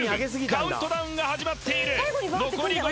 カウントダウンが始まっている残り５分